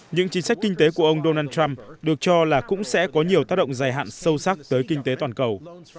những chính sách kinh tế của ông donald trump được cho là cũng sẽ có nhiều tác động dài hạn sâu sắc tới kinh tế toàn cầu